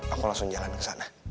aku langsung jalan ke sana